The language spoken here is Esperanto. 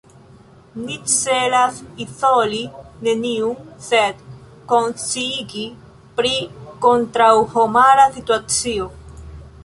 Ni celas izoli neniun, sed konsciigi pri kontraŭhomara situacio.